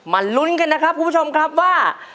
ลุ้นกันนะครับคุณผู้ชมครับว่า